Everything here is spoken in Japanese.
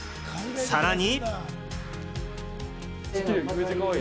さらに。